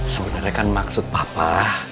sebenernya kan maksud papa